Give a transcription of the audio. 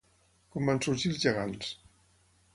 Com van sorgir els gegants?